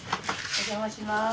お邪魔します。